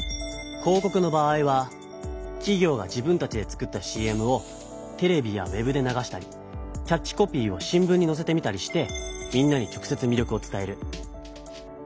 広告の場合はき業が自分たちで作ったＣＭをテレビやウェブで流したりキャッチコピーを新聞にのせてみたりしてみんなに直せつみ力を伝える。